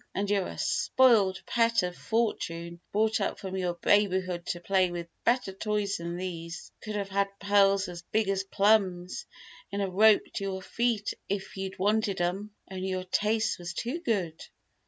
And you're a spoiled pet of fortune, brought up from your babyhood to play with better toys than these. You could have had pearls as big as plums, in a rope to your feet, if you'd wanted 'em. Only your taste was too good.